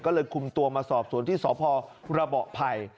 ก็เลยคุมตัวมาสอบสวนที่สพระเบาะไผ่